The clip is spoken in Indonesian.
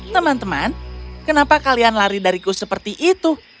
teman teman kenapa kalian lari dariku seperti itu